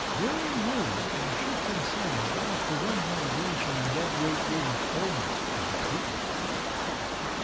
Varying moods and shifting sands now prevent navigation on that great river almost completely.